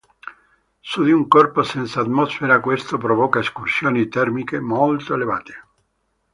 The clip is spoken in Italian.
Su di un corpo senza atmosfera questo provoca escursioni termiche molto elevate.